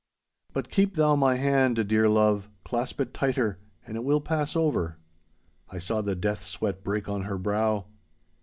But keep thou my hand, dear love, clasp it tighter, and it will pass over.' I saw the death sweat break on her brow.